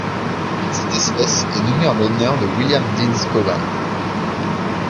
Cette espèce est nommée en l'honneur de William Deans Cowan.